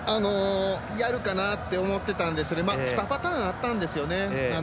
やるかなって思ってたんですけど２パターンあったんですよね。